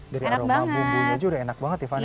dari aroma bumbunya aja udah enak banget ya fanny